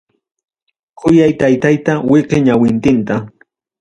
Kuyay taytayta wiqi ñawintinta.